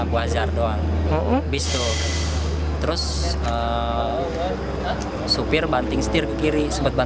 untuk mencoba untuk mencoba